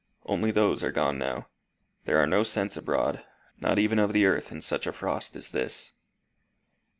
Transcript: Only those are gone now. There are no scents abroad, not even of the earth in such a frost as this."